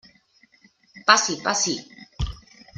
Passi, passi.